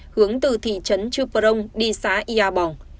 hướng từ thị trấn chư prong đi xá yà bò